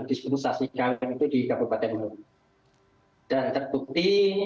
dispensasi kawin itu di kabupaten malang